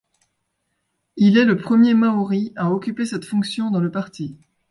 Il est le premier Maori à occuper cette fonction dans le parti.